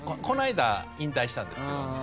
この間引退したんですけど。